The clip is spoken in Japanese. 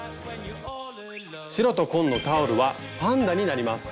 白と紺のタオルはパンダになります！